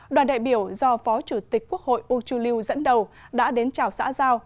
đoàn đại biểu do phó chủ tịch quốc hội uchuliu dẫn đầu đã đến chào xã giao